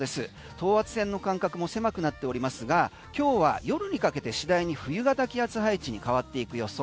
等圧線の間隔も狭くなっておりますが今日は夜にかけて次第に冬型気圧配置に変わっていく予想。